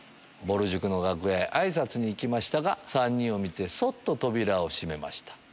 ぼる塾の楽屋へあいさつに行きましたが３人を見てそっと扉を閉めました。